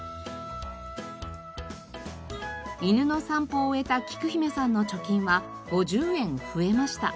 犬の散歩を終えたきく姫さんの貯金は５０円増えました。